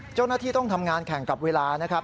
เจ้าหน้าที่ต้องทำงานแข่งกับเวลานะครับ